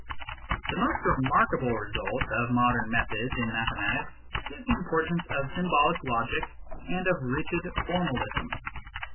The most remarkable result of modern methods in mathematics is the importance of symbolic logic and of rigid formalism.